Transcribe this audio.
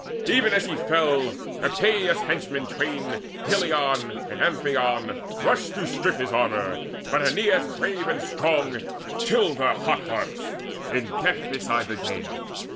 Even as he fell, Epeius' henchmen twain, Deileon and Amphion, rushed to strip His armour; but Aeneas brave and strong Chilled their hot hearts in death beside the dead.